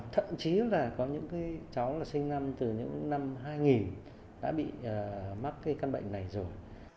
thậm chí là có những chó sinh năm từ những năm hai nghìn đã bị mất